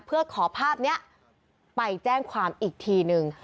เพื่อขอภาพนี้ไปแจ้งความอีกทีนึง